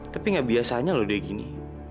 tapi nggak biasanya loh dia gini